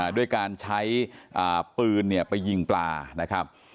ด้วยการใช้ปืนไปยิงปลานะครับ